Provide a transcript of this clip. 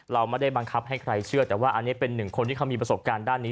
เราไม่ได้บังคับให้ใครเชื่อแต่ว่าอันนี้เป็นหนึ่งคนที่เขามีประสบการณ์ด้านนี้